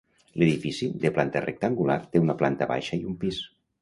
L'edifici, de planta rectangular, té una planta baixa i un pis.